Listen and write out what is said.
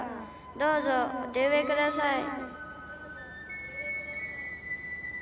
どうぞお手植えください。